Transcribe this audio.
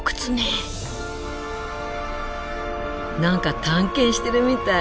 何か探検してるみたい。